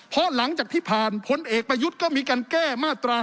เพราะหลังจากที่ผ่านพลเอกประยุทธ์ก็มีการแก้มาตรา๑